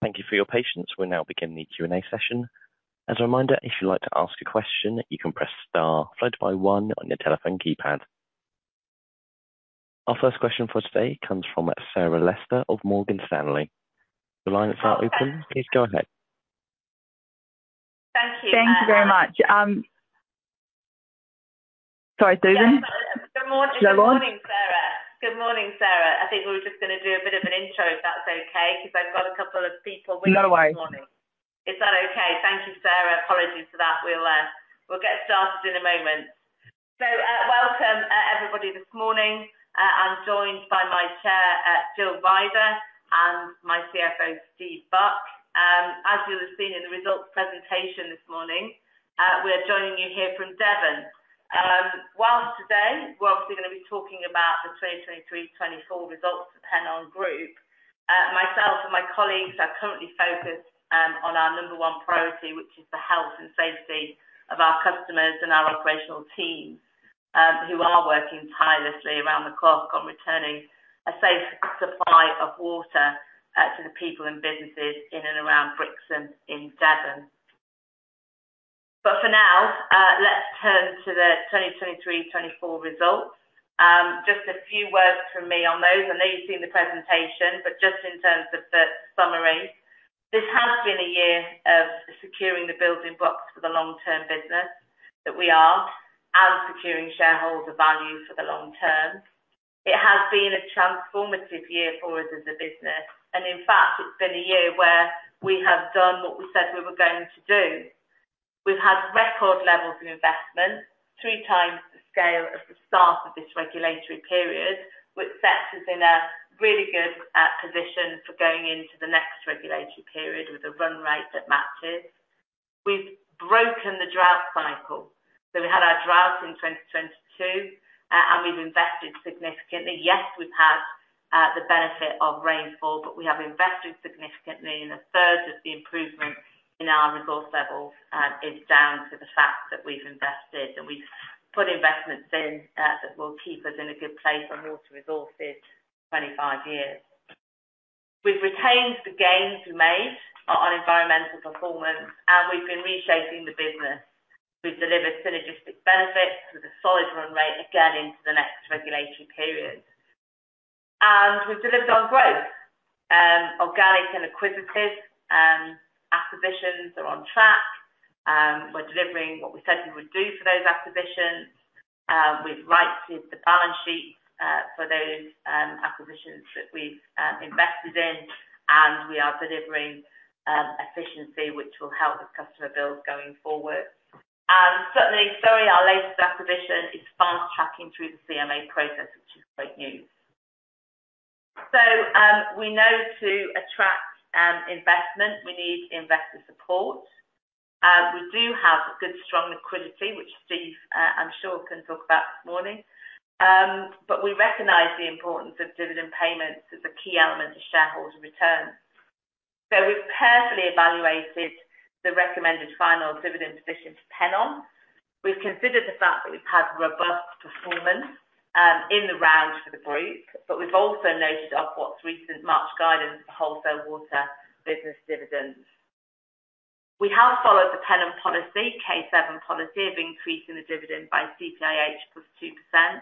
...Thank you for your patience. We'll now begin the Q&A session. As a reminder, if you'd like to ask a question, you can press star followed by one on your telephone keypad. Our first question for today comes from Sarah Lester of Morgan Stanley. The lines are open. Please go ahead. Thank you. Thank you very much. Sorry, Susan. Good morning, Sarah. Good morning, Sarah. I think we were just gonna do a bit of an intro, if that's okay, because I've got a couple of people waiting this morning. No worry. Is that okay? Thank you, Sarah. Apologies for that. We'll, we'll get started in a moment. So, welcome, everybody this morning. I'm joined by my Chair, Gill Rider and my CFO, Steve Buck. As you'll have seen in the results presentation this morning, we're joining you here from Devon. While today, we're obviously gonna be talking about the 2023-2024 results at Pennon Group, myself and my colleagues are currently focused on our number one priority, which is the health and safety of our customers and our operational teams, who are working tirelessly around the clock on returning a safe supply of water to the people and businesses in and around Brixham in Devon. But for now, let's turn to the 2023-2024 results. Just a few words from me on those. I know you've seen the presentation, but just in terms of the summary, this has been a year of securing the building blocks for the long-term business that we are and securing shareholder value for the long term. It has been a transformative year for us as a business, and in fact, it's been a year where we have done what we said we were going to do. We've had record levels of investment, three times the scale of the start of this regulatory period, which sets us in a really good position for going into the next regulatory period with a run rate that matches. We've broken the drought cycle. So we had our drought in 2022, and we've invested significantly. Yes, we've had the benefit of rainfall, but we have invested significantly, and a third of the improvement in our resource level is down to the fact that we've invested, and we've put investments in that will keep us in a good place on water resources, 25 years. We've retained the gains we made on environmental performance, and we've been reshaping the business. We've delivered synergistic benefits with a solid run rate, again, into the next regulatory period. We've delivered on growth, organic and acquisitive, and acquisitions are on track. We're delivering what we said we would do for those acquisitions. We've righted the balance sheet for those acquisitions that we've invested in, and we are delivering efficiency, which will help with customer bills going forward. Certainly, sorry, our latest acquisition is fast-tracking through the CMA process, which is great news. So, we know to attract investment, we need investor support. We do have good, strong liquidity, which Steve, I'm sure can talk about this morning. But we recognize the importance of dividend payments as a key element of shareholder return. So we've carefully evaluated the recommended final dividend position to Pennon. We've considered the fact that we've had robust performance in the round for the group, but we've also noted the recent March guidance for wholesale water business dividends. We have followed the Pennon policy, K7 policy, of increasing the dividend by CPIH + 2%,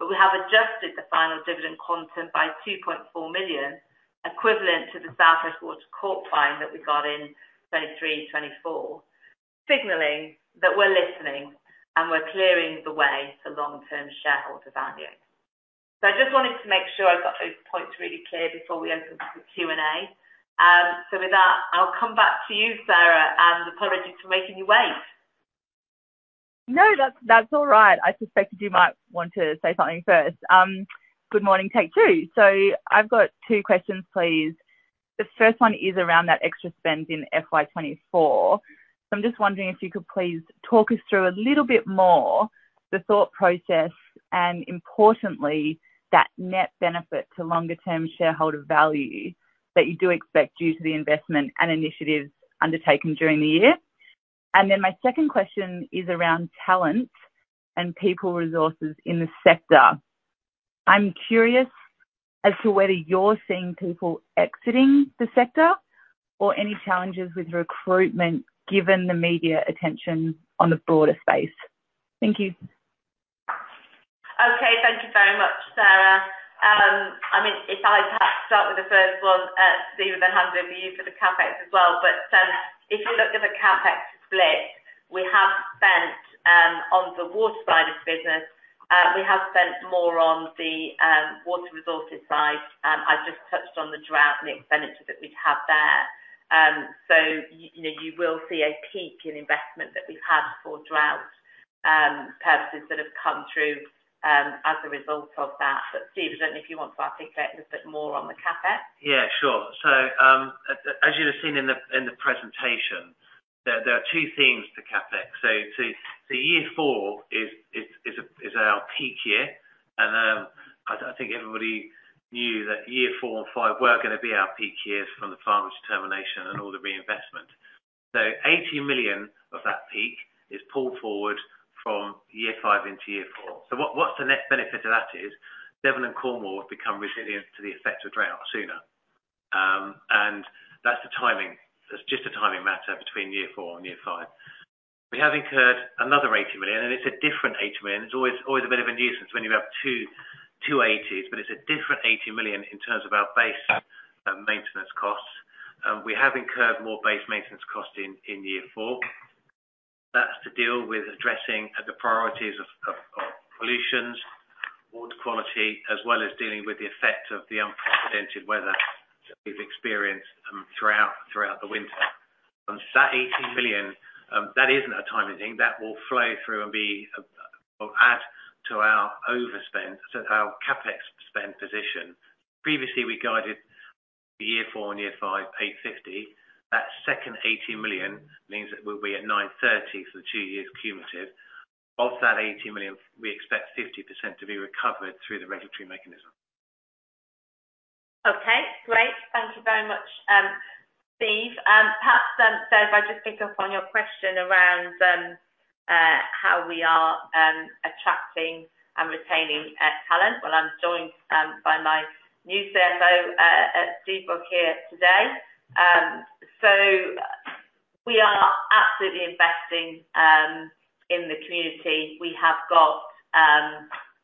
but we have adjusted the final dividend content by 2.4 million, equivalent to the Sutton and East Surrey Water fine that we got in 2023-2024, signaling that we're listening, and we're clearing the way for long-term shareholder value. So I just wanted to make sure I got those points really clear before we open up the Q&A. So with that, I'll come back to you, Sarah, and apologies for making you wait. No, that's, that's all right. I suspected you might want to say something first. Good morning, take two. So I've got two questions, please. The first one is around that extra spend in FY 2024. So I'm just wondering if you could please talk us through a little bit more the thought process, and importantly, that net benefit to longer term shareholder value that you do expect due to the investment and initiatives undertaken during the year. And then my second question is around talent and people resources in the sector. I'm curious as to whether you're seeing people exiting the sector or any challenges with recruitment, given the media attention on the broader space. Thank you. Okay. Thank you very much, Sarah. I mean, if I perhaps start with the first one, Steve, and then hand over to you for the CapEx as well. But, if you look at the CapEx split, we have spent, on the water side of the business, we have spent more on the, water resources side. I've just touched on the drought and the expenditure that we've had there. So you know, you will see a peak in investment that we've had for drought, purposes that have come through, as a result of that. But Steve, I don't know if you want to articulate a bit more on the CapEx? Yeah, sure. So, as you have seen in the presentation, there are two themes to CapEx. So Year 4 is our peak year, and I think everybody knew that Year 4 and 5 were gonna be our peak years from the Final Determination. 80 million of that peak is pulled forward from Year 5 into Year 4. So what's the net benefit of that is, Devon and Cornwall have become resilient to the effects of drought sooner. And that's the timing. It's just a timing matter between Year 4 and Year 5. We have incurred another 80 million, and it's a different 80 million. It's always a bit of a nuisance when you have two 80s, but it's a different 80 million in terms of our base maintenance costs. We have incurred more base maintenance costs in Year 4. That's to deal with addressing the priorities of pollution, water quality, as well as dealing with the effect of the unprecedented weather that we've experienced throughout the winter. That 80 million isn't a timing thing. That will flow through and be will add to our overspend, so our CapEx spend position. Previously, we guided Year 4 and Year 5, 850 million. That second 80 million means that we'll be at 930 million for the two years cumulative. Of that 80 million, we expect 50% to be recovered through the regulatory mechanism. Okay, great. Thank you very much, Steve. Perhaps, so if I just pick up on your question around how we are attracting and retaining talent. Well, I'm joined by my new CFO, Steve Buck, here today. So we are absolutely investing in the community. We have got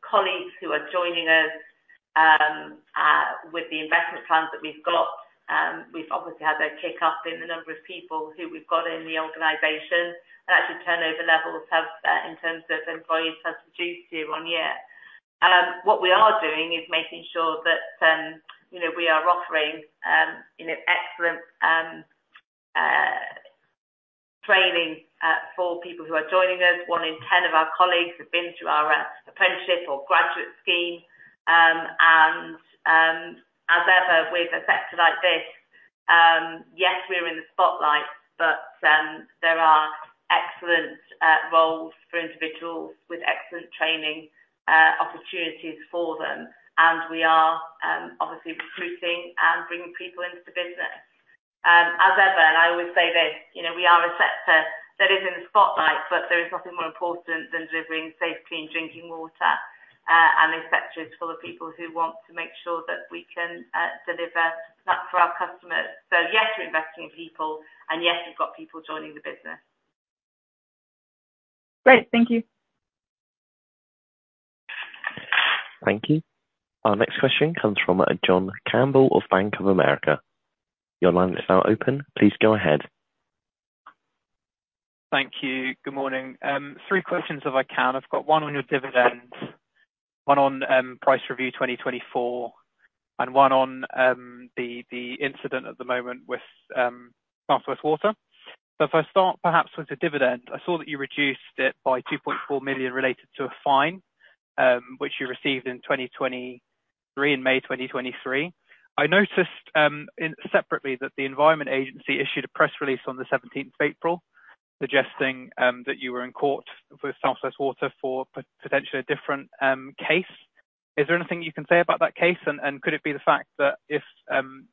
colleagues who are joining us with the investment plans that we've got. We've obviously had a kick up in the number of people who we've got in the organization, and actually, turnover levels have, in terms of employees, has reduced year on year. What we are doing is making sure that, you know, we are offering, you know, excellent training for people who are joining us. 1 in 10 of our colleagues have been through our apprenticeship or graduate scheme. And, as ever, with a sector like this, yes, we're in the spotlight, but there are excellent roles for individuals with excellent training opportunities for them. And we are obviously recruiting and bringing people into the business. As ever, and I always say this, you know, we are a sector that is in the spotlight, but there is nothing more important than delivering safe, clean drinking water. And the sector is full of people who want to make sure that we can deliver that for our customers. So yes, we're investing in people, and yes, we've got people joining the business. Great. Thank you. Thank you. Our next question comes from John Campbell of Bank of America. Your line is now open. Please go ahead. Thank you. Good morning. Three questions, if I can. I've got one on your dividend, one on price review 2024, and one on the incident at the moment with South West Water. So if I start perhaps with the dividend, I saw that you reduced it by 2.4 million related to a fine, which you received in 2023, in May 2023. I noticed separately that the Environment Agency issued a press release on the seventeenth of April, suggesting that you were in court with South West Water for potentially a different case. Is there anything you can say about that case? Could it be the fact that if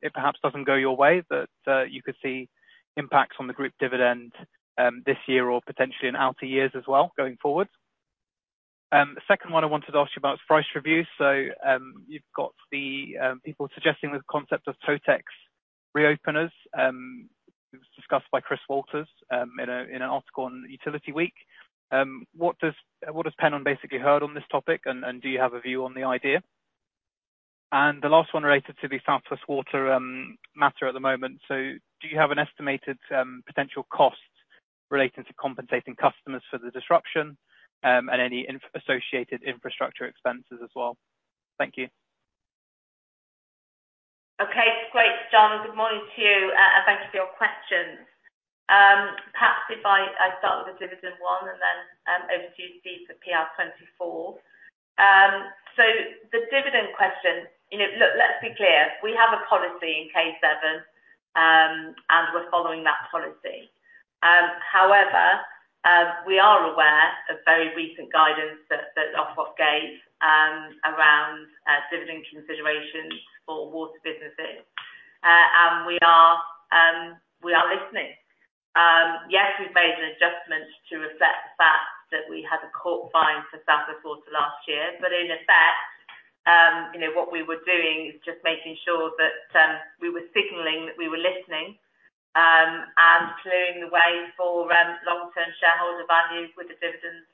it perhaps doesn't go your way, that you could see impacts on the group dividend, this year or potentially in outer years as well, going forward? The second one I wanted to ask you about is price review. So, you've got the people suggesting the concept of Totex reopeners. It was discussed by Chris Walters, in an article on Utility Week. What does Pennon basically heard on this topic? Do you have a view on the idea? And the last one related to the South West Water matter at the moment. So do you have an estimated potential cost relating to compensating customers for the disruption, and any inf- associated infrastructure expenses as well? Thank you. Okay, great, John. Good morning to you, and thank you for your questions. Perhaps if I start with the dividend one and then over to you, Steve, for PR24. So the dividend question, you know, look, let's be clear, we have a policy in K7, and we're following that policy. However, we are aware of very recent guidance that Ofwat gave around dividend considerations for water businesses. And we are listening. Yes, we've made an adjustment to reflect the fact that we had a court fine for South West Water last year, but in effect, you know, what we were doing is just making sure that we were signaling that we were listening, and clearing the way for long-term shareholder value with the dividend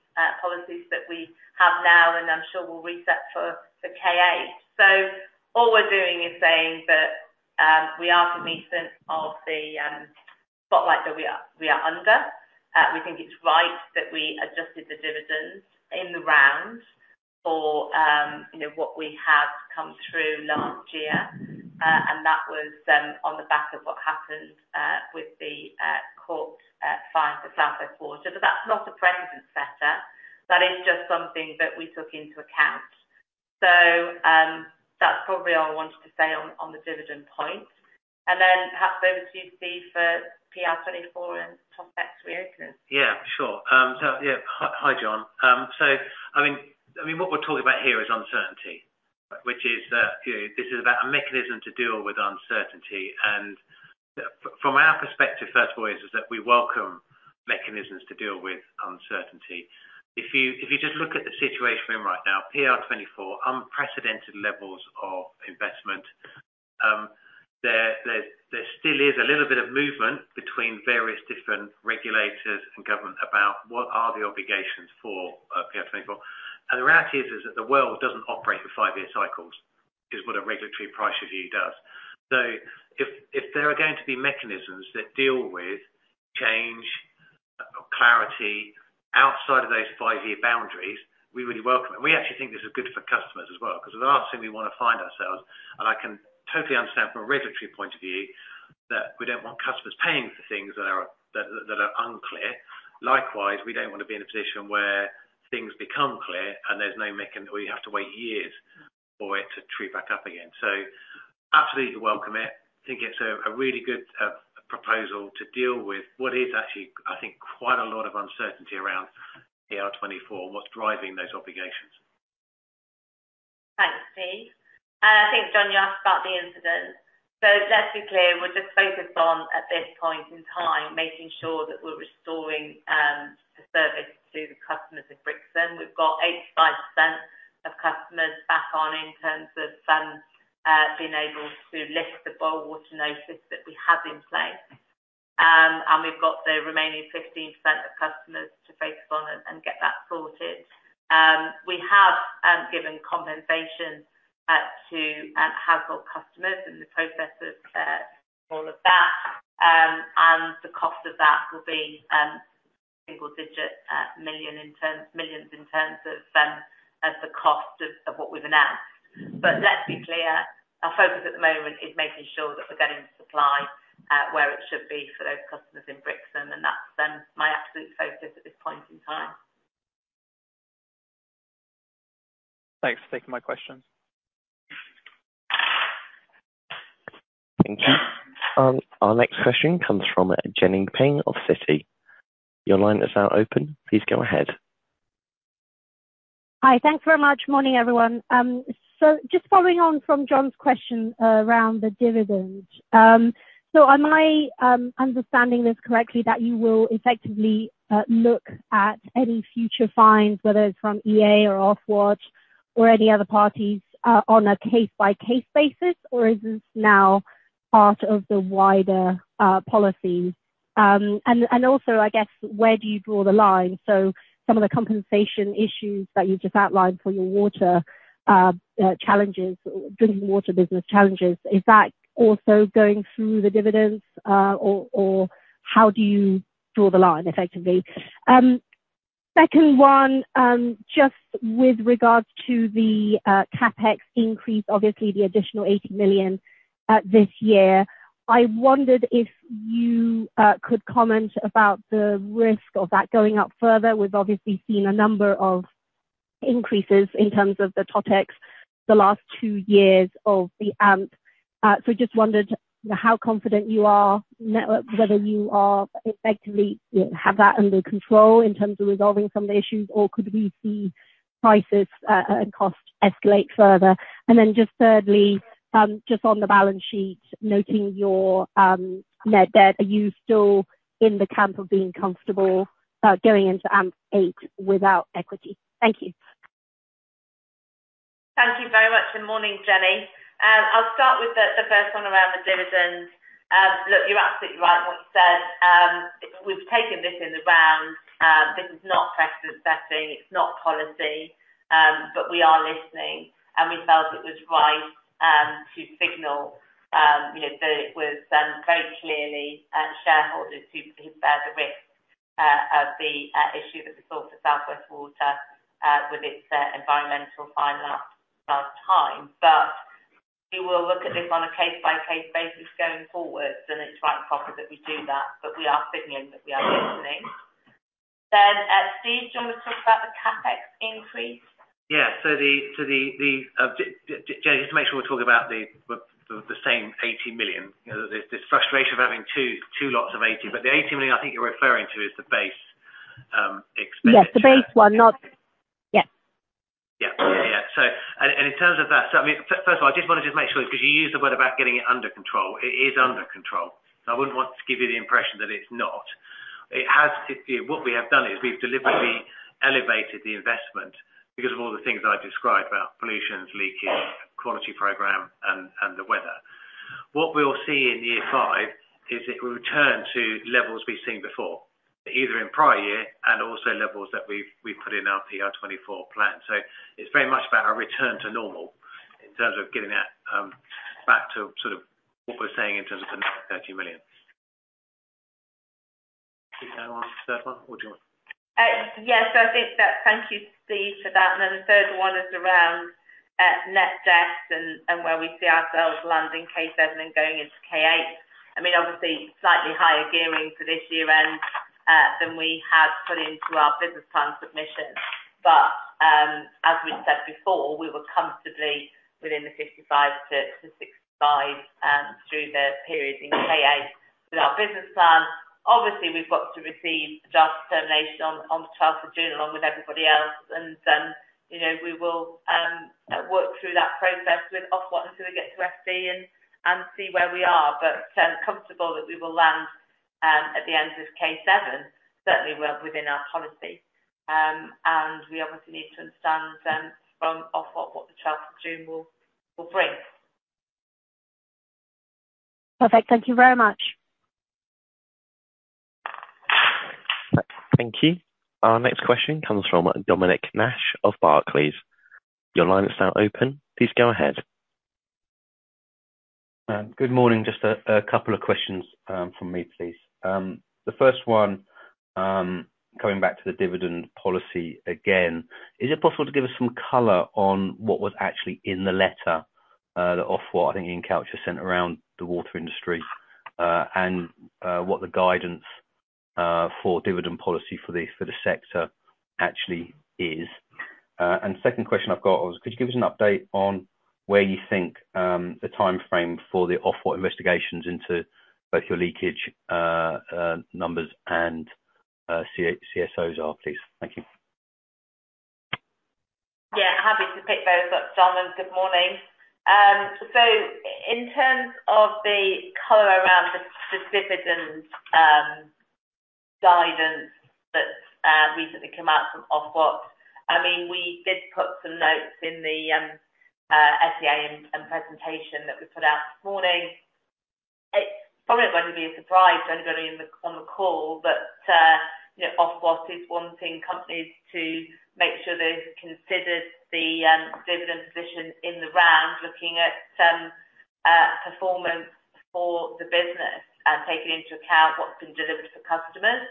policies that we have now, and I'm sure we'll reset for K8. So all we're doing is saying that we are cognizant of the spotlight that we are under. We think it's right that we adjusted the dividends in the round for you know what we had come through last year. And that was on the back of what happened with the court fine for South West Water. But that's not a precedent setter. That is just something that we took into account. So, that's probably all I wanted to say on the dividend point. And then perhaps over to you, Steve, for PR24 and Totex reopener. Yeah, sure. So, yeah. Hi, hi, John. So I mean, I mean, what we're talking about here is uncertainty... which is, you know, this is about a mechanism to deal with uncertainty. And from our perspective, first of all, is that we welcome mechanisms to deal with uncertainty. If you just look at the situation we're in right now, PR24, unprecedented levels of investment. There still is a little bit of movement between various different regulators and government about what are the obligations for PR24. And the reality is that the world doesn't operate in five-year cycles, is what a regulatory price review does. So if there are going to be mechanisms that deal with change or clarity outside of those five-year boundaries, we really welcome it. We actually think this is good for customers as well, because the last thing we want to find ourselves, and I can totally understand from a regulatory point of view, that we don't want customers paying for things that are unclear. Likewise, we don't want to be in a position where things become clear and there's no mechanism, or you have to wait years for it to true back up again. So absolutely welcome it. Think it's a really good proposal to deal with what is actually, I think, quite a lot of uncertainty around PR24, what's driving those obligations. Thanks, Steve. And I think, John, you asked about the incident. So let's be clear, we're just focused on, at this point in time, making sure that we're restoring the service to the customers in Brixham. We've got 85% of customers back on in terms of being able to lift the boil water notice that we have in place. And we've got the remaining 15% of customers to focus on and get that sorted. We have given compensation to household customers in the process of all of that. And the cost of that will be single-digit millions in terms of the cost of what we've announced. But let's be clear, our focus at the moment is making sure that we're getting supply where it should be for those customers in Brixham, and that's my absolute focus at this point in time. Thanks for taking my questions. Thank you. Our next question comes from Jenny Ping, of Citi. Your line is now open. Please go ahead. Hi, thanks very much. Morning, everyone. So just following on from John's question around the dividend. So am I understanding this correctly, that you will effectively look at any future fines, whether it's from EA or Ofwat or any other parties on a case-by-case basis, or is this now part of the wider policy? And also, I guess, where do you draw the line? So some of the compensation issues that you've just outlined for your water challenges, drinking water business challenges, is that also going through the dividends? Or how do you draw the line, effectively? Second one, just with regards to the CapEx increase, obviously the additional 80 million this year. I wondered if you could comment about the risk of that going up further. We've obviously seen a number of increases in terms of the Totex, the last two years of the AMP. So just wondered how confident you are, net, whether you are effectively, you know, have that under control in terms of resolving some of the issues, or could we see prices and costs escalate further? And then just thirdly, just on the balance sheet, noting your net debt, are you still in the camp of being comfortable going into AMP eight without equity? Thank you. Thank you very much, and morning, Jenny. I'll start with the first one around the dividends. Look, you're absolutely right in what you said. We've taken this in the round. This is not precedent setting, it's not policy, but we are listening, and we felt it was right to signal, you know, that it was very clearly shareholders who bear the risk of the issue that we saw for South West Water with its environmental fine last time. But we will look at this on a case-by-case basis going forward, and it's right and proper that we do that, but we are signaling that we are listening. Then, Steve, do you want to talk about the CapEx increase? Yeah. So, Jenny, just to make sure we're talking about the same 80 million. You know, there's this frustration of having two lots of 80 million, but the 80 million I think you're referring to is the base expenditure. Yes, the base one, not... Yes. Yeah. Yeah, yeah. So, and in terms of that, so I mean, first of all, I just want to just make sure, because you use the word about getting it under control. It is under control. So I wouldn't want to give you the impression that it's not. It has, you know, what we have done is we've deliberately elevated the investment because of all the things I've described about pollutions, leaking, quality program, and the weather. What we'll see in Year 5 is it will return to levels we've seen before, either in prior year and also levels that we've put in our PR24 plan. So it's very much about our return to normal in terms of getting that back to sort of what we're saying in terms of the 90 million-130 million. Do you want to answer the third one, or do you want? Yes, I think that. Thank you, Steve, for that. And then the third one is around net debt and where we see ourselves landing K7 and going into K8. I mean, obviously, slightly higher gearing for this year-end than we had put into our business plan submission. But as we said before, we were comfortably within the 55-65 through the period in K8. With our business plan, obviously, we've got to receive the Draft Determination on the twelfth of June, along with everybody else, and you know, we will work through that process with Ofwat until we get to FC and see where we are. But comfortable that we will land at the end of K7, certainly well within our policy. We obviously need to understand from Ofwat what the transfer scheme will bring. Perfect. Thank you very much. Thank you. Our next question comes from Dominic Nash of Barclays. Your line is now open. Please go ahead. Good morning. Just a couple of questions from me, please. The first one, going back to the dividend policy again. Is it possible to give us some color on what was actually in the letter that Ofwat, I think, in culture, sent around the water industry, and what the guidance for dividend policy for the sector actually is? And second question I've got was: Could you give us an update on where you think the timeframe for the Ofwat investigations into both your leakage numbers and CSOs are, please? Thank you. Yeah, happy to pick those up, John, and good morning. So in terms of the color around the specific dividends, guidance that recently came out from Ofwat, I mean, we did put some notes in the SEA and presentation that we put out this morning. It's probably not going to be a surprise to anybody on the call, but you know, Ofwat is wanting companies to make sure they've considered the dividend position in the round, looking at performance for the business and taking into account what's been delivered to customers.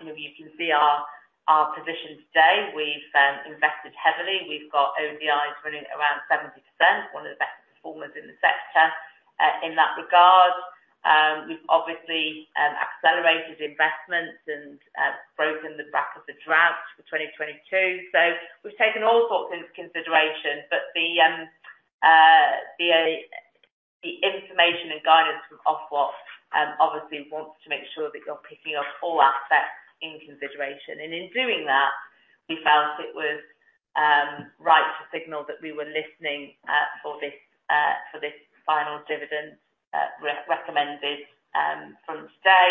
You know, you can see our position today. We've invested heavily. We've got ODIs running at around 70%, one of the best performers in the sector, in that regard. We've obviously accelerated investments and broken the back of the drought for 2022. So we've taken all sorts into consideration, but the information and guidance from Ofwat obviously wants to make sure that you're picking up all aspects in consideration. And in doing that, we felt it was right to signal that we were listening for this final dividend recommended from today.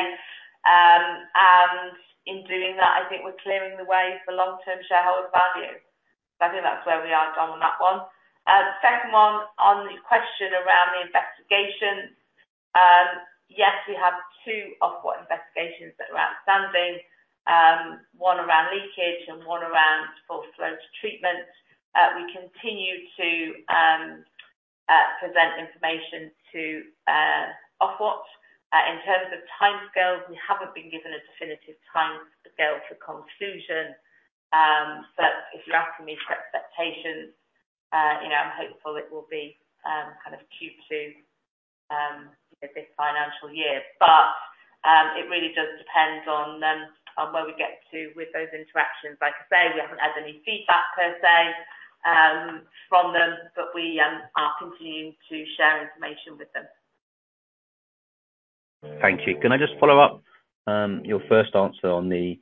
And in doing that, I think we're clearing the way for long-term shareholder value. I think that's where we are, John, on that one. The second one, on the question around the investigation, yes, we have two Ofwat investigations that are outstanding, one around leakage and one around full flow to treatment. We continue to present information to Ofwat. In terms of timescales, we haven't been given a definitive timescale to conclusion. But if you're asking me for expectations, you know, I'm hopeful it will be kind of Q2 this financial year. But it really does depend on where we get to with those interactions. Like I say, we haven't had any feedback per se from them, but we are continuing to share information with them. Thank you. Can I just follow up, your first answer on the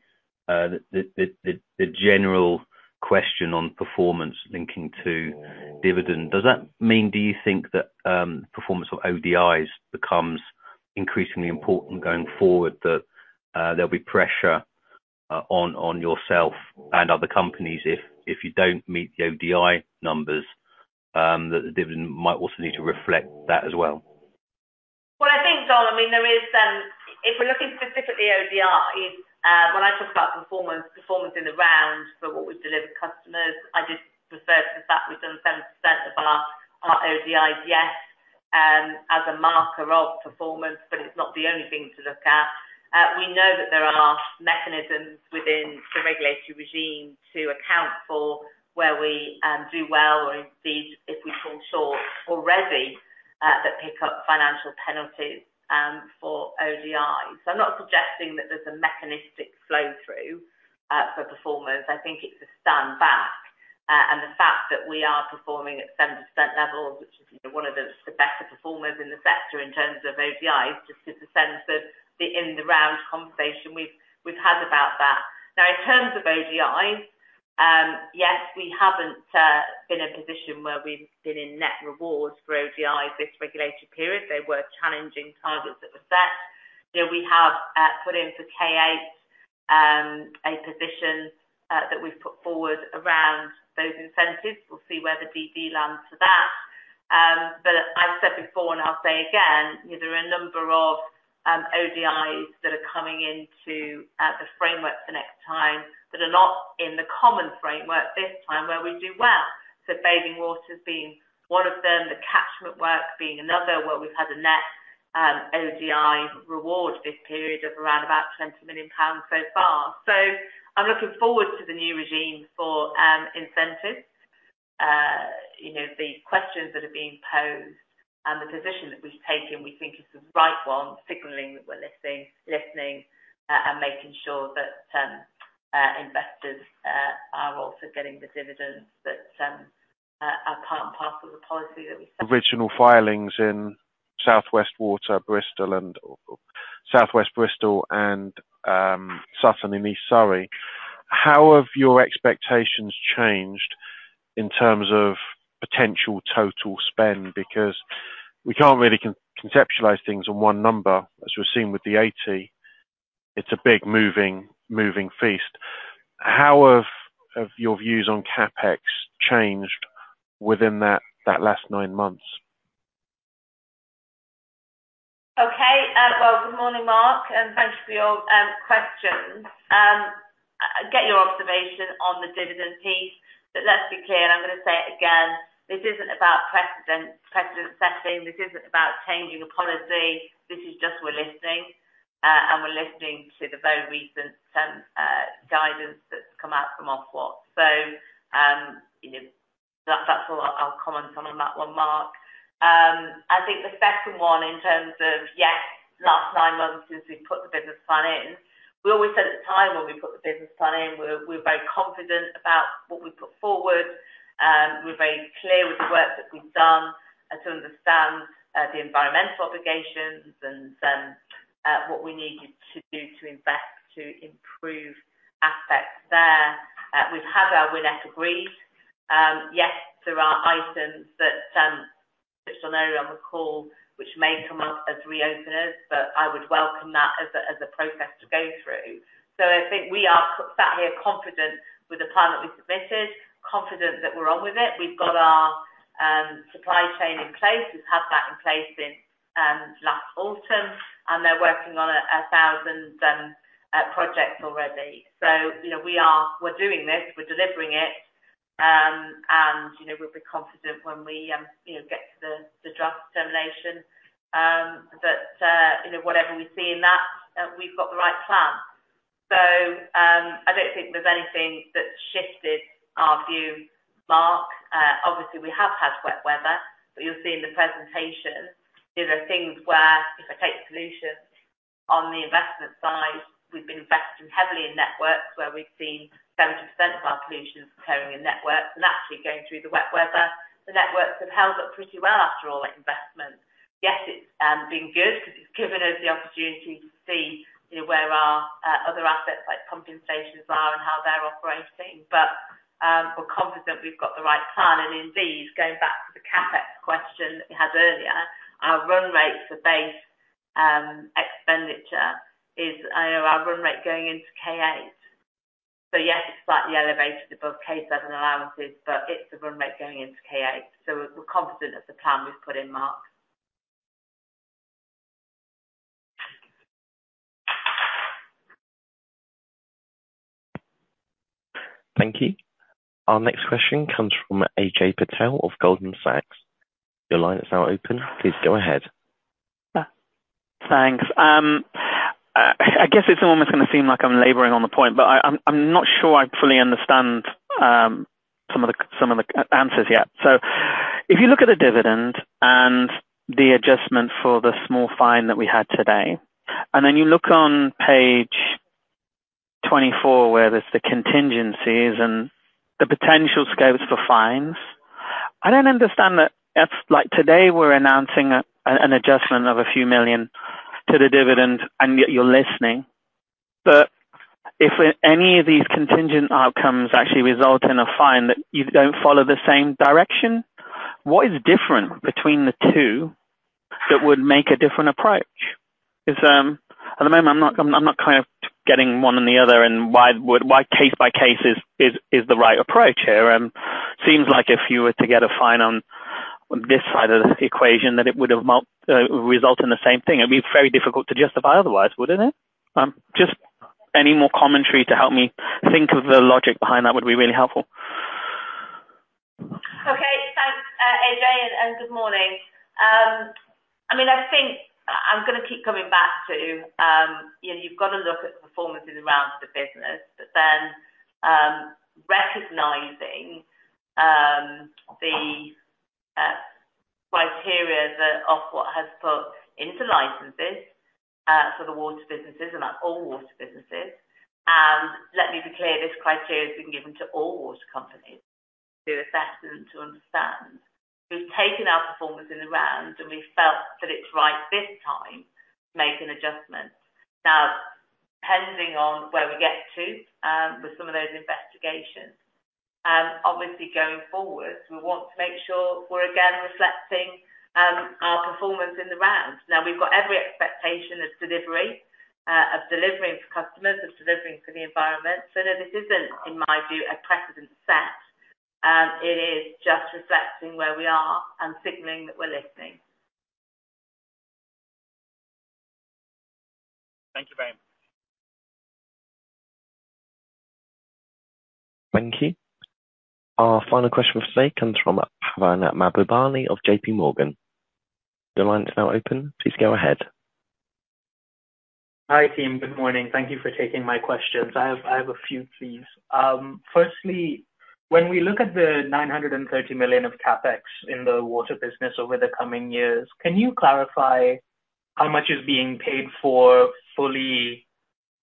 general question on performance linking to dividend? Does that mean, do you think that, performance of ODIs becomes increasingly important going forward, that, there'll be pressure, on yourself and other companies if you don't meet the ODI numbers, that the dividend might also need to reflect that as well? Well, I think, John, I mean, there is... If we're looking specifically ODIs, when I talk about performance, performance in the round for what we've delivered customers, I just referred to the fact we've done 7% above our ODIs, yes, as a marker of performance, but it's not the only thing to look at. We know that there are mechanisms within the regulatory regime to account for where we do well or indeed, if we fall short already, that pick up financial penalties for ODIs. So I'm not suggesting that there's a mechanistic flow-through for performers. I think it's a stand back, and the fact that we are performing at 7% levels, which is one of the better performers in the sector in terms of ODIs, just gives a sense of the in-the-round conversation we've had about that. Now, in terms of ODIs, yes, we haven't been in a position where we've been in net rewards for ODIs this regulatory period. They were challenging targets that were set. You know, we have put in for K8 a position that we've put forward around those incentives. We'll see where the DD lands for that. But I've said before, and I'll say again, you know, there are a number of ODIs that are coming into the framework the next time, that are not in the common framework this time, where we do well. So bathing waters being one of them, the catchment work being another, where we've had a net ODI reward this period of around about 20 million pounds so far. So I'm looking forward to the new regime for incentives. You know, the questions that are being posed and the position that we've taken, we think is the right one, signaling that we're listening and making sure that investors are also getting the dividends that are part of the policy that we set.... Original filings in South West Water, Bristol Water, and Sutton and East Surrey Water, how have your expectations changed in terms of potential total spend? Because we can't really conceptualize things in one number, as we've seen with the 80. It's a big moving feast. How have your views on CapEx changed within that last nine months? Okay. Well, good morning, Mark, and thanks for your questions. I get your observation on the dividend piece, but let's be clear, and I'm going to say it again, this isn't about precedent, precedent setting. This isn't about changing a policy. This is just we're listening, and we're listening to the very recent guidance that's come out from Ofwat. So, you know, that, that's all I'll comment on, on that one, Mark. I think the second one, in terms of, yes, last nine months since we've put the business plan in, we always said at the time when we put the business plan in, we're, we're very confident about what we put forward, we're very clear with the work that we've done and to understand, the environmental obligations and, what we needed to do to invest to improve aspects there. We've had our WINEP agreed. Yes, there are items that, which are on the call, which may come up as reopeners, but I would welcome that as a, as a process to go through. So I think we are sat here confident with the plan that we submitted, confident that we're on with it. We've got our, supply chain in place. We've had that in place since last autumn, and they're working on 1,000 projects already. So, you know, we're doing this, we're delivering it, and, you know, we'll be confident when we get to the Draft Determination that whatever we see in that, we've got the right plan. So, I don't think there's anything that's shifted our view, Mark. Obviously, we have had wet weather, but you'll see in the presentation, you know, things where, if I take solutions on the investment side, we've been investing heavily in networks, where we've seen 70% of our solutions occurring in networks. And actually going through the wet weather, the networks have held up pretty well after all that investment. Yes, it's been good because it's given us the opportunity to see, you know, where our other assets, like compensation, are and how they're operating. But we're confident we've got the right plan. And indeed, going back to the CapEx question that you had earlier, our run rate for base expenditure is our run rate going into K8. So yes, it's slightly elevated above K7 allowances, but it's the run rate going into K8, so we're confident of the plan we've put in, Mark. Thank you. Our next question comes from Ajay Patel of Goldman Sachs. Your line is now open. Please go ahead. Thanks. I guess it's almost going to seem like I'm laboring on the point, but I'm not sure I fully understand some of the answers yet. So if you look at the dividend and the adjustment for the small fine that we had today, and then you look on page 24, where there's the contingencies and the potential scopes for fines, I don't understand that. That's like today we're announcing an adjustment of GBP a few million to the dividend, and yet you're listening. But if any of these contingent outcomes actually result in a fine, that you don't follow the same direction, what is different between the two that would make a different approach? Because at the moment, I'm not kind of getting one or the other and why case by case is the right approach here. Seems like if you were to get a fine on this side of the equation, that it would result in the same thing. It'd be very difficult to justify otherwise, wouldn't it? Just any more commentary to help me think of the logic behind that would be really helpful. Okay. Thanks, Ajay, and good morning. I mean, I think I'm going to keep coming back to, you know, you've got to look at performances around the business, but then, recognizing, the criteria that Ofwat has put into licenses, for the water businesses, and that all water businesses, and let me be clear, this criteria has been given to all water companies to assess and to understand. We've taken our performance in the round, and we felt that it's right this time to make an adjustment. Now, depending on where we get to, with some of those investigations, obviously, going forward, we want to make sure we're again reflecting, our performance in the round. Now, we've got every expectation of delivery, of delivering for customers, of delivering for the environment. So no, this isn't, in my view, a precedent set, it is just reflecting where we are and signaling that we're listening. Thank you very much. Thank you. Our final question for today comes from Pavan Mahbubani of JPMorgan. Your line is now open. Please go ahead. Hi, team. Good morning. Thank you for taking my questions. I have a few, please. Firstly, when we look at the 930 million of CapEx in the water business over the coming years, can you clarify how much is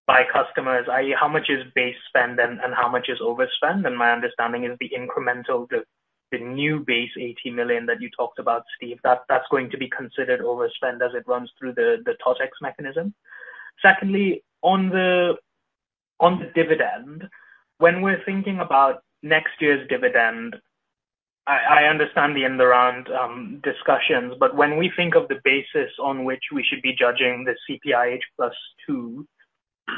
base spend and how much is overspend? My understanding is the incremental new base 80 million that you talked about, Steve, that's going to be considered overspend as it runs through the Totex mechanism. Secondly, on the dividend, when we're thinking about next year's dividend, I understand the in the round discussions, but when we think of the basis on which we should be judging the CPIH + 2,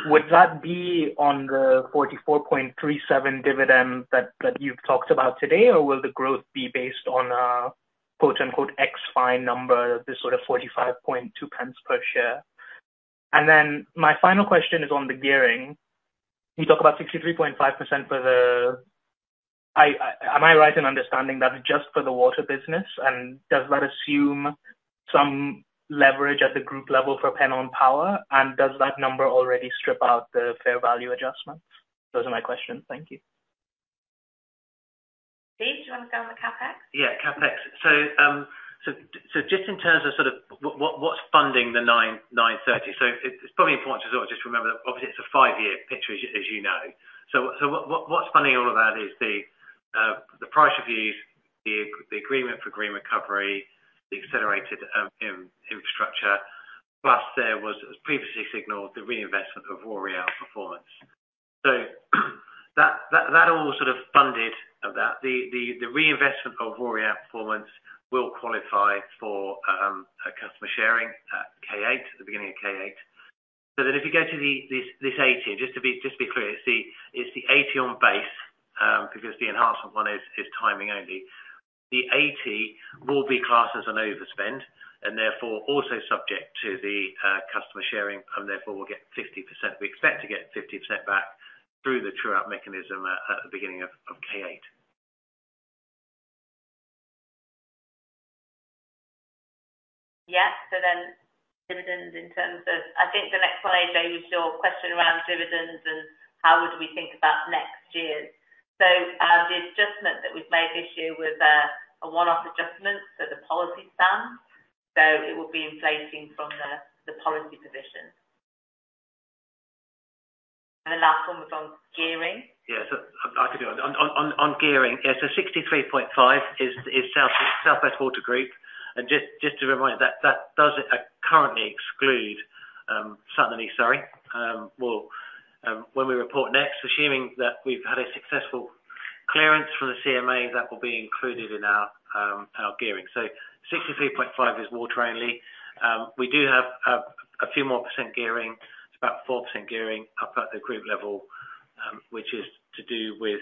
would that be on the 44.37 dividend that you've talked about today? Or will the growth be based on a, quote-unquote, ex fine number, this sort of 0.452 per share? And then my final question is on the gearing. You talk about 63.5% for the... I, am I right in understanding that's just for the water business? And does that assume some leverage at the group level for Pennon Power, and does that number already strip out the fair value adjustments? Those are my questions. Thank you. Steve, do you want to go on the CapEx? Yeah, CapEx. So, just in terms of sort of what's funding the 930, so it's probably important to sort of just remember that obviously it's a five-year picture, as you know. So, what's funding all of that is the price reviews, the agreement for green recovery, the accelerated infrastructure, plus there was previously signaled the reinvestment of our performance. So that all sort of funded about the reinvestment of our performance will qualify for a customer sharing at K8, at the beginning of K8. So then if you go to this 18, just to be clear, it's the 80 on base, because the enhancement one is timing only. The 80 will be classed as an overspend, and therefore also subject to the customer sharing, and therefore will get 50%. We expect to get 50% back through the true-up mechanism at the beginning of K8. Yeah. So then dividends in terms of... I think the next one, AJ, was your question around dividends and how would we think about next year's. So, the adjustment that we've made this year was a one-off adjustment to the policy stance, so it will be inflating from the policy position. And the last one was on gearing? Yeah. So I could do it. On gearing, yeah, so 63.5% is South West Water Group. And just to remind, that does currently exclude Sutton and East Surrey, sorry. Well, when we report next, assuming that we've had a successful clearance from the CMA, that will be included in our gearing. So 63.5% is water only. We do have a few more percent gearing. It's about 4% gearing up at the group level, which is to do with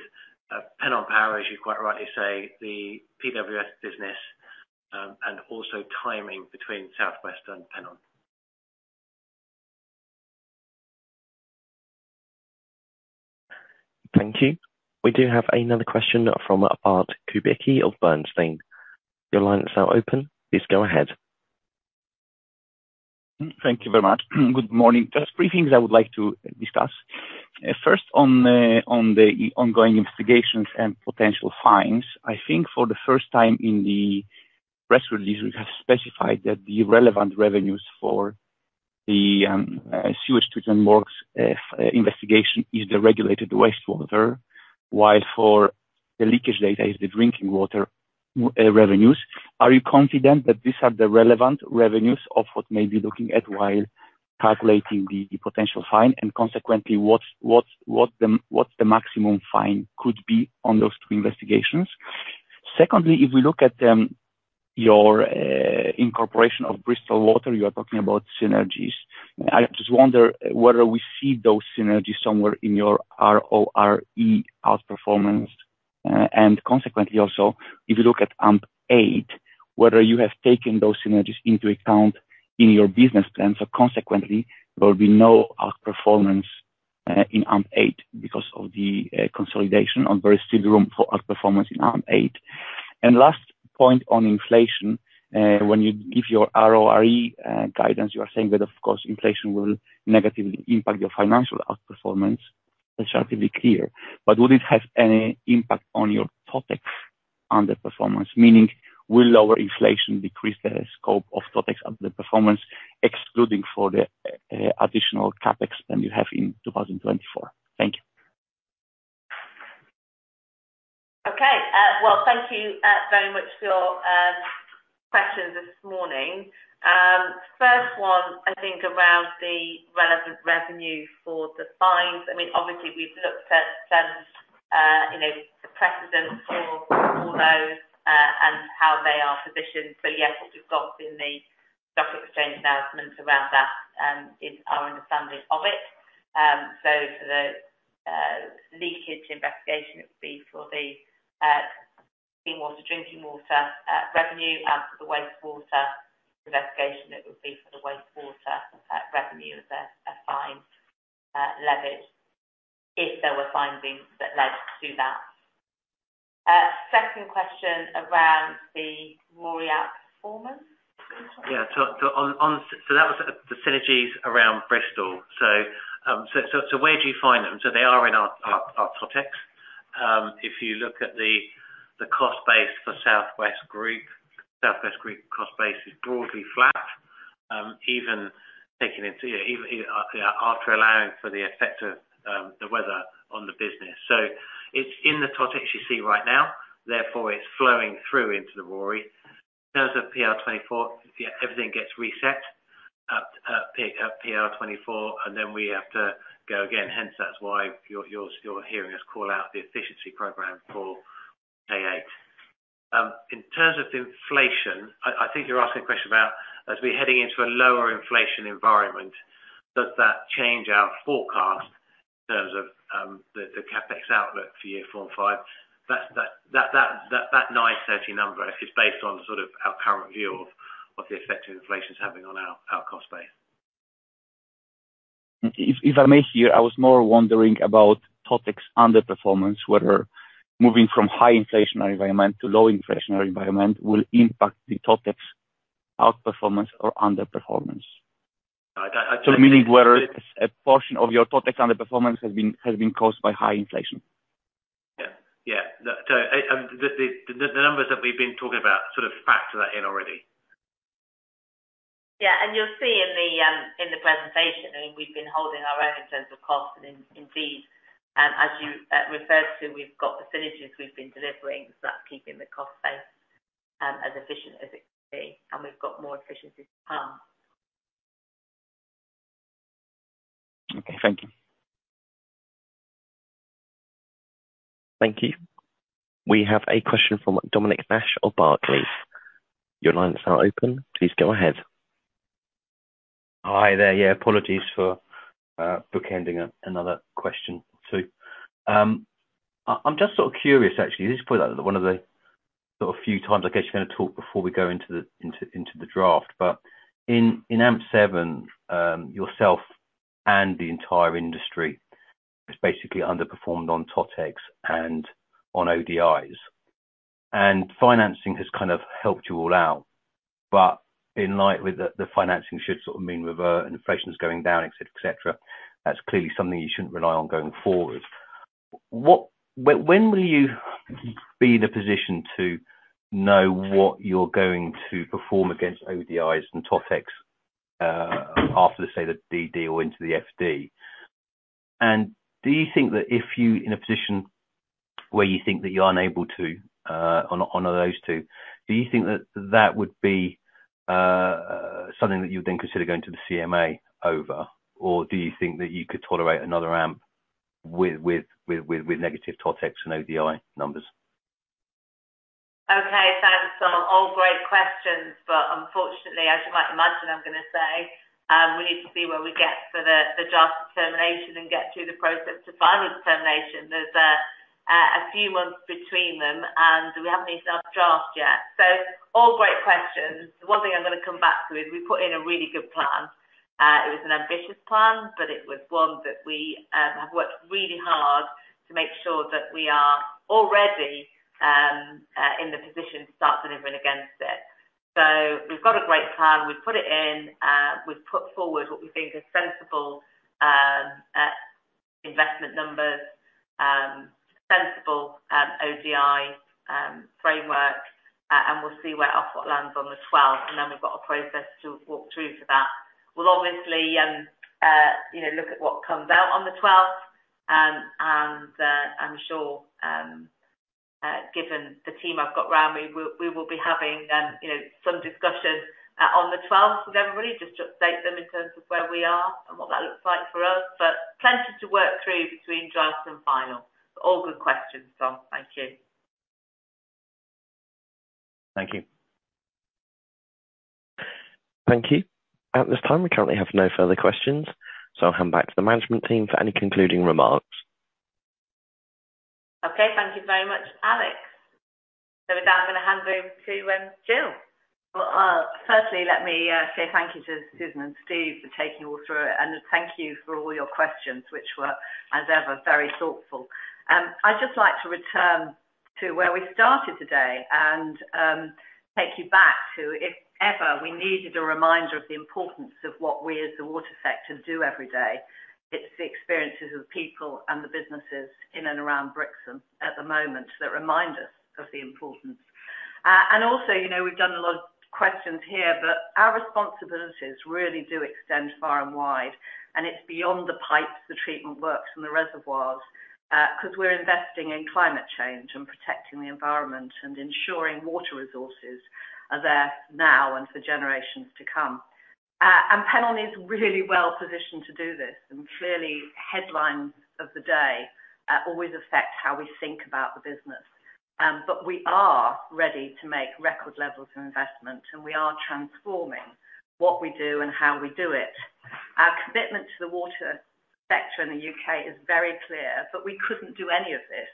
Pennon Power, as you quite rightly say, the PWS business, and also timing between South West and Pennon. Thank you. We do have another question from Bart Kubicki of Bernstein. Your line is now open. Please go ahead. Thank you very much. Good morning. Just three things I would like to discuss. First, on the ongoing investigations and potential fines, I think for the first time in the press release, we have specified that the relevant revenues for the sewage treatment works investigation is the regulated wastewater, while for the leakage data is the drinking water revenues. Are you confident that these are the relevant revenues of what may be looking at while calculating the potential fine, and consequently, what the maximum fine could be on those two investigations? Secondly, if we look at your incorporation of Bristol Water, you are talking about synergies. I just wonder whether we see those synergies somewhere in your RORE outperformance. And consequently also, if you look at AMP8, whether you have taken those synergies into account in your business plan, so consequently, there will be no outperformance in AMP8 because of the consolidation, or there is still room for outperformance in AMP8. And last point on inflation, when you give your RORE guidance, you are saying that, of course, inflation will negatively impact your financial outperformance. That's certainly clear. But would it have any impact on your Totex underperformance? Meaning, will lower inflation decrease the scope of Totex underperformance, excluding for the additional CapEx spend you have in 2024? Thank you. Okay, well, thank you very much for your questions this morning. First one, I think, around the relevant revenue for the fines. I mean, obviously, we've looked at, you know, the precedent for all those, and how they are positioned. So yes, what you've got in the stock exchange announcement around that is our understanding of it. So for the leakage investigation, it would be for the sea water, drinking water revenue, and for the wastewater investigation, it would be for the wastewater revenue as a fine levied if there were findings that led to that. Second question around the Ofwat performance? Yeah. So that was the synergies around Bristol. So where do you find them? So they are in our Totex. If you look at the cost base for Southwest Group, Southwest Group cost base is broadly flat, even after allowing for the effect of the weather on the business. So it's in the Totex you see right now, therefore, it's flowing through into the RORE. In terms of PR24, yeah, everything gets reset at PR24, and then we have to go again. Hence, that's why you're hearing us call out the efficiency program for K8. In terms of inflation, I think you're asking a question about, as we're heading into a lower inflation environment, does that change our forecast in terms of the CapEx outlook for Year 4 and 5? That 930 number is based on sort of our current view of the effect inflation is having on our cost base. If I may here, I was more wondering about Totex underperformance, whether moving from high inflationary environment to low inflationary environment will impact the Totex outperformance or underperformance. I, I, I- So meaning whether a portion of your Totex underperformance has been caused by high inflation. Yeah, yeah. So, the numbers that we've been talking about sort of factor that in already. Yeah, and you'll see in the presentation, I mean, we've been holding our own in terms of cost, and indeed, as you referred to, we've got the synergies we've been delivering, so that's keeping the cost base as efficient as it can be, and we've got more efficiencies to come. Okay, thank you. Thank you. We have a question from Dominic Nash of Barclays. Your lines are open. Please go ahead. Hi there. Yeah, apologies for bookending another question, too. I'm just sort of curious, actually. This is probably one of the sort of few times, I guess, you're gonna talk before we go into the draft. But in AMP7, yourself and the entire industry has basically underperformed on Totex and on ODIs, and financing has kind of helped you all out. But in light of the financing should sort of mean revert and inflation is going down, et cetera, et cetera, that's clearly something you shouldn't rely on going forward. What... when will you be in a position to know what you're going to perform against ODIs and Totex after, say, the DD or into the FD? Do you think that if you're in a position where you think that you're unable to on those two, do you think that that would be something that you would then consider going to the CMA over? Or do you think that you could tolerate another AMP with negative Totex and ODI numbers? Okay, thanks, Dom. All great questions, but unfortunately, as you might imagine, I'm gonna say, we need to see where we get for the Draft Determination and get through the process to Final Determination. There's a few months between them, and we haven't seen our draft yet. So all great questions. The one thing I'm gonna come back to is we put in a really good plan. It was an ambitious plan, but it was one that we have worked really hard to make sure that we are already in the position to start delivering against it. So we've got a great plan. We've put it in, we've put forward what we think are sensible, investment numbers, sensible, ODI, framework, and we'll see where Ofwat lands on the twelfth, and then we've got a process to walk through to that. We'll obviously, you know, look at what comes out on the twelfth, and, I'm sure, given the team I've got around me, we, we will be having, you know, some discussion, on the twelfth with everybody, just to update them in terms of where we are and what that looks like for us. But plenty to work through between drafts and final. All good questions, Dom. Thank you. Thank you. Thank you. At this time, we currently have no further questions, so I'll hand back to the management team for any concluding remarks. Okay, thank you very much, Alex. So with that, I'm gonna hand over to Gill. Well, firstly, let me say thank you to Susan and Steve for taking you all through it. And thank you for all your questions, which were, as ever, very thoughtful. I'd just like to return to where we started today and take you back to if ever we needed a reminder of the importance of what we as the water sector do every day, it's the experiences of people and the businesses in and around Brixham at the moment that remind us of the importance. And also, you know, we've done a lot of questions here, but our responsibilities really do extend far and wide, and it's beyond the pipes, the treatment works, and the reservoirs, because we're investing in climate change and protecting the environment and ensuring water resources are there now and for generations to come. And Pennon is really well positioned to do this, and clearly, headlines of the day always affect how we think about the business. But we are ready to make record levels of investment, and we are transforming what we do and how we do it. Our commitment to the water sector in the UK is very clear, but we couldn't do any of this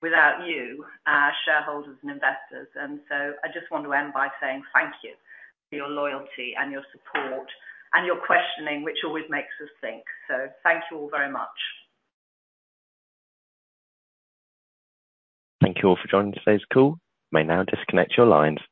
without you, our shareholders and investors. And so I just want to end by saying thank you for your loyalty and your support and your questioning, which always makes us think. So thank you all very much. Thank you all for joining today's call. You may now disconnect your lines.